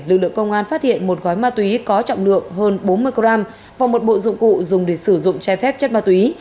lực lượng công an phát hiện một gói ma túy có trọng lượng hơn bốn mươi g và một bộ dụng cụ dùng để sử dụng trái phép chất ma túy